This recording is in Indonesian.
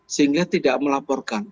sehingga tidak melaporkan